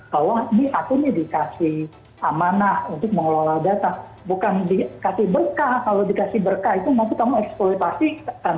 karena itu memang pengelola datanya itu harus dibekali oleh kemampuan dan harus sadar